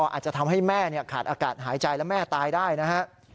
อาจจะทำให้แม่ขาดอากาศหายใจและแม่ตายได้นะฮะ